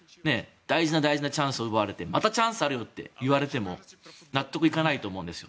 大事な大事なチャンスを奪われてまたチャンスがあるよって言われても納得いかないと思うんです。